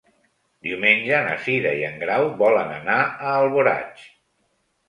Diumenge na Cira i en Grau volen anar a Alboraig.